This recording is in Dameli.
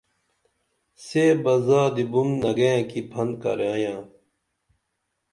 سے بہ زادی بُن نگئیں کی پھن کئرائیاں